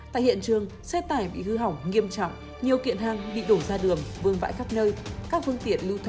tại hiện trường xe tải bị hư hỏng nghiêm trọng nhiều kiện hàng bị đổ ra đường vương vãi khắp nơi